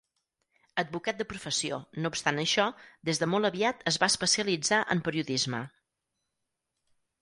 Advocat de professió, no obstant això, des de molt aviat es va especialitzar en periodisme.